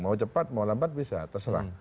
mau cepat mau lambat bisa terserah